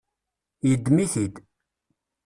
Yeddem-it-id.